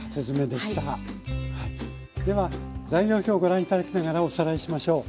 では材料表ご覧頂きながらおさらいしましょう。